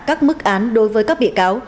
các mức án đối với các bị cáo